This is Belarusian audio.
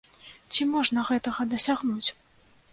Ці можна гэтага дасягнуць?